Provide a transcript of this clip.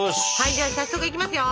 じゃあ早速いきますよ。